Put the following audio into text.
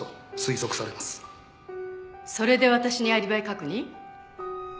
それで私にアリバイ確認？